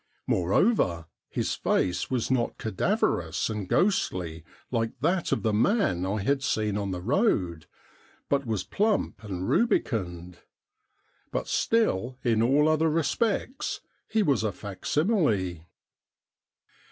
Moreover, his face was not cadaverous and ghostly like that of the man I had seen on the road, but was plump and rubicund. But still in all other respects he was a fac simile.